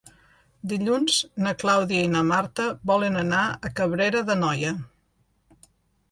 Dilluns na Clàudia i na Marta volen anar a Cabrera d'Anoia.